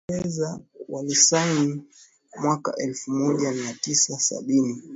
uingereza walisaini mwaka elfu moja mia tisa sabini